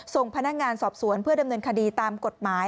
ส่งพนักงานสอบสวนเพื่อดำเนินคดีตามกฎหมาย